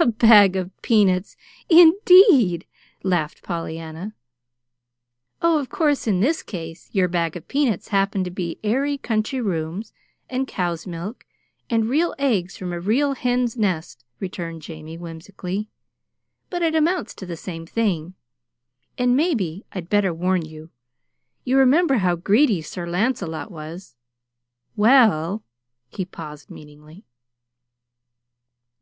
"A bag of peanuts, indeed!" laughed Pollyanna. "Oh, of course in this case, your bag of peanuts happened to be airy country rooms, and cow's milk, and real eggs from a real hen's nest," returned Jamie whimsically; "but it amounts to the same thing. And maybe I'd better warn you you remember how greedy Sir Lancelot was; well " He paused meaningly.